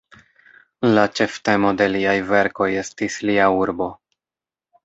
La ĉeftemo de liaj verkoj estis lia urbo.